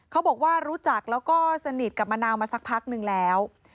เขาบอกว่ารู้จักแล้วก็สนิทกับมะนาวมาสักพักนึงแล้ว